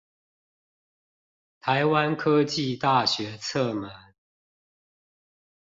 臺灣科技大學側門